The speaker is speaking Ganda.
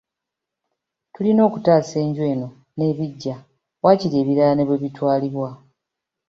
Tulina okutaasa enju eno n'ebiggya waakiri, ebirala ne bwe bitwalibwa.